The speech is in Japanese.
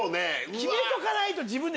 決めとかないと自分で！